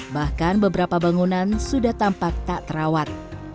bahkan beberapa bangunan sudah tampak tak terawat